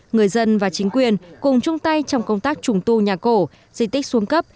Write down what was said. người dân và chính quyền cùng chung tay trong công tác trùng tu nhà cổ di tích xuống cấp